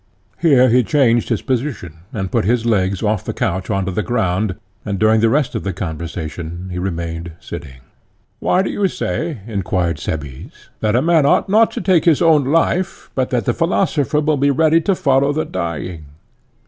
Here he changed his position, and put his legs off the couch on to the ground, and during the rest of the conversation he remained sitting. Why do you say, enquired Cebes, that a man ought not to take his own life, but that the philosopher will be ready to follow the dying?